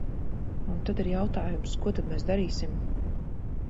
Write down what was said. Un tad ir jautājums: ko tad mēs darīsim?